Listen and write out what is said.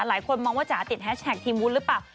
หลายคนมองว่าจ๋าติดแฮชแท็กทีมวุ้นหรือเปล่า